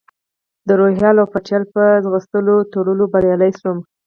د روهیال او پتیال په منډو ترړو بریالی شوم.